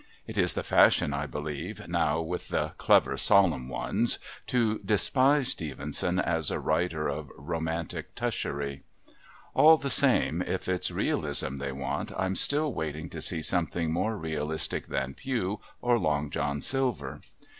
It is the fashion, I believe, now with the Clever Solemn Ones to despise Stevenson as a writer of romantic Tushery, All the same, if it's realism they want I'm still waiting to see something more realistic than Pew or Long John Silver.